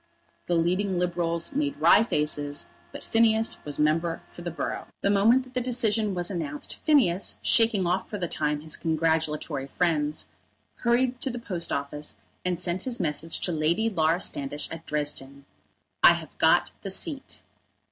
The leading Liberals made wry faces, but Phineas was member for the borough. The moment that the decision was announced, Phineas, shaking off for the time his congratulatory friends, hurried to the post office and sent his message to Lady Laura Standish at Dresden: "I have got the seat."